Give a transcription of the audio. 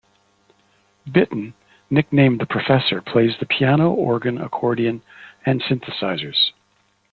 Bittan, nicknamed The Professor, plays the piano, organ, accordion and synthesizers.